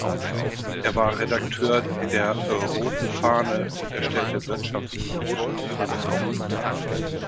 Er war Redakteur der "Roten Fahne" und erstellte wirtschaftspolitische Analysen.